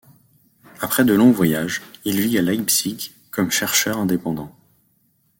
Après de longs voyages, il vit à Leipzig comme chercheur indépendant.